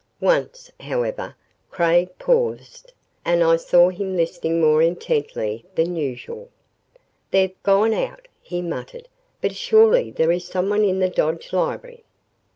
Once, however, Craig paused and I saw him listening more intently than usual. "They've gone out," he muttered, "but surely there is someone in the Dodge library."